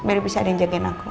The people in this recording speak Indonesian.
biar bisa ada yang jagain aku